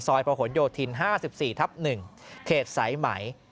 ซอยพโยธิน๕๔ทัพ๑เขตสายไหม